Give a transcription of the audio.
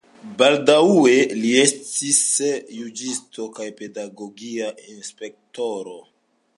Baldaŭe li estis juĝisto kaj pedagogia inspektoro.